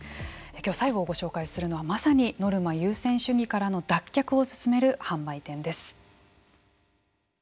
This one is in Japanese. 今日最後ご紹介するのはまさにノルマ優先主義からの脱却を進める販売店です。